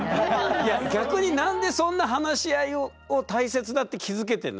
逆に何でそんな話し合いを大切だって気付けてるの？